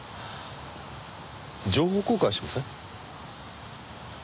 情報交換しません？